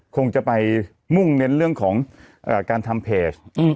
คงจะไปมุ่งเน้นเรื่องของการทำเพจ